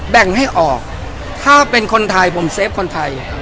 แบ่งให้ออกถ้าเป็นคนไทยผมเซฟคนไทย